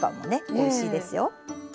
おいしいですよ。